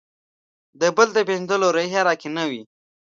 د «بل» د پېژندلو روحیه راکې نه وي.